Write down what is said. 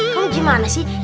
kamu gimana sih